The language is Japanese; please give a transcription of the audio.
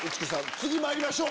次まいりましょう。